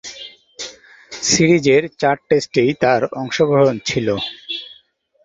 সিরিজের চার টেস্টেই তার অংশগ্রহণ ছিল।